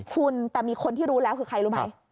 คุณแต่มีคนที่รู้แล้วคือใครรู้ไหม